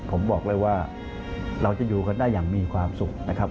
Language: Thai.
ผมบอกเลยว่าเราจะอยู่กันได้อย่างมีความสุขนะครับ